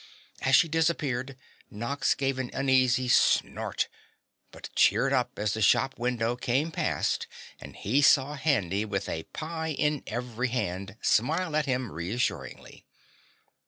As she disappeared Nox gave an uneasy snort, but cheered up as the shop window came past and he saw Handy with a pie in every hand, smile at him reassuringly.